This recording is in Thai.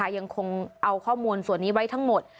ยังคงเอาข้อมูลส่วนนี้ไว้ทั้งหมด